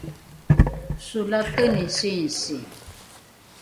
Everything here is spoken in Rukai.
solateni singsi